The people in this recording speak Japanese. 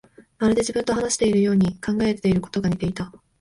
まるで自分と話しているように、考えていることが似ていた